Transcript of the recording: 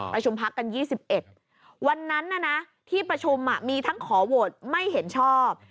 ประชุมพักกัน๒๑วันนั้นที่ประชุมมีทั้งขอโหวตไม่เห็นชอบ